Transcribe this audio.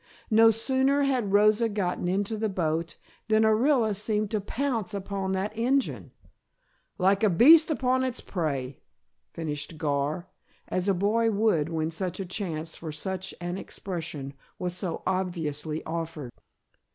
"No sooner had Rosa gotten into the boat than Orilla seemed to pounce upon that engine " "Like a beast upon its prey," finished Gar, as a boy would when such a chance for such an expression was so obviously offered.